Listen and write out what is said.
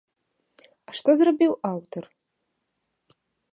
А што зрабіў аўтар?